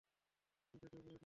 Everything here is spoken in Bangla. এখানে জাদুও করা যায় নাকি?